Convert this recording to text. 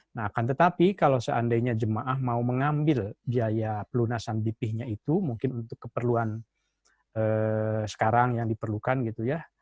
nah akan tetapi kalau seandainya jemaah mau mengambil biaya pelunasan bp nya itu mungkin untuk keperluan sekarang yang diperlukan gitu ya